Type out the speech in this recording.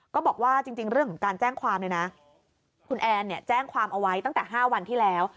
ก็บอกว่าจริงเรื่องของการแจ้งความเนี่ยนะคุณแอนเนี่ยแจ้งความเอาไว้ตั้งแต่๕วันที่แล้ว